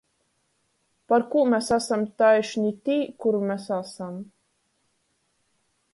Parkū mes asam taišni tī, kur mes asam?